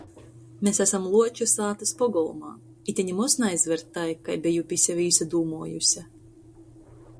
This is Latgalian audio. Mes asam Luoču sātys pogolmā. Ite nimoz naizaver tai, kai beju pi seve īsadūmuojuse...